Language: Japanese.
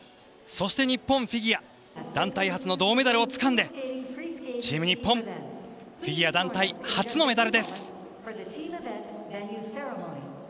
そして日本フィギュア団体初の銅メダルをつかんでチーム日本、フィギュア団体初のメダルです。